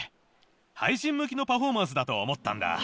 配信向きのパフォーマンスだと思ったんだ。